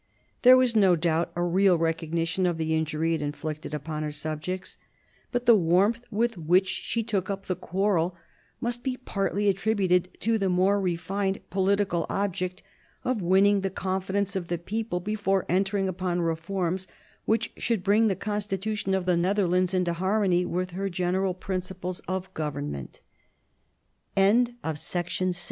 There was no doubt a real recognition of the injury it inflicted upon her subjects. But the warmth with which she took up the quarrel must be partly attributed to the more refined political object of winning the confidence of the people before entering upon reforms which should bring the constitution of the Netherlands into harmony with her general princip